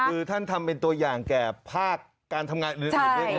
คือท่านทำเป็นตัวอย่างแก่ภาคการทำงานอื่น